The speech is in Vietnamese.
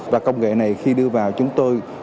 và công nghệ này khi đưa vào chúng tôi